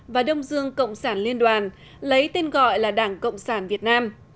và đông dương cộng sản liên đoàn lấy tên gọi là đảng cộng sản việt nam